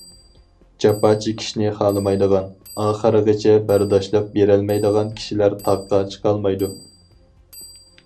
جاپا چېكىشنى خالىمايدىغان، ئاخىرغىچە بەرداشلىق بېرەلمەيدىغان كىشىلەر تاغقا چىقالمايدۇ.